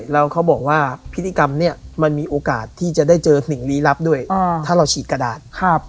แล้วเขาบอกว่าพิธีกรรมนี้มันมีโอกาสที่จะได้เจอสิ่งลี้ลับด้วยถ้าเราฉีดกระดาษ